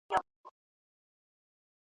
هیلي د زلمیو شپو مي سپینو وېښتو وخوړې `